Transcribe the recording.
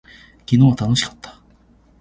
昨日は楽しかった。